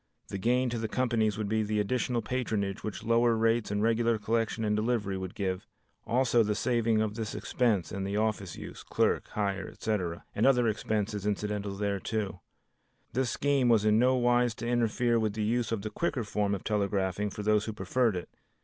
The gain to the companies would be the additional patronage which lower rates and regular collection and delivery would give, also the saving of this expense and the office use, clerk hire, etc., and other expenses incidental thereto. This scheme was in no wise to interfere with the use of the quicker form of telegraphing for those who preferred it.